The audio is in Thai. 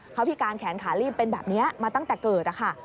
เขาพิการแขนขาลีบเป็นแบบนี้มาตั้งแต่เกิดค่ะ